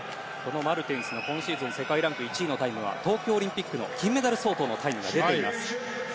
マルテンスの今シーズン世界ランク１位のタイムは東京オリンピック金メダル相当のタイムになります。